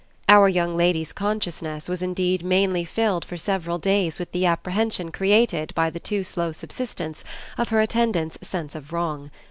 Our young lady's consciousness was indeed mainly filled for several days with the apprehension created by the too slow subsidence of her attendant's sense of wrong.